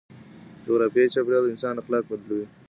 جغرافيايي چاپيريال د انسان اخلاق بدلوي.